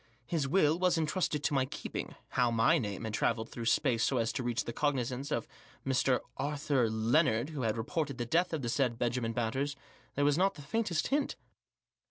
His will was entrusted to my keeping — how my name had travelled through space so as to reach the cognisance of the Mr. Arthur iinnard who had reported the death of the said Benjamin Batters there was not the faintest hint.